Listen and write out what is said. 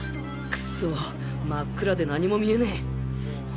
くそ真っ暗で何も見えねェ。